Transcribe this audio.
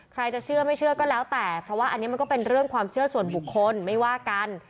จะเชื่อไม่เชื่อก็แล้วแต่เพราะว่าอันนี้มันก็เป็นเรื่องความเชื่อส่วนบุคคลไม่ว่ากัน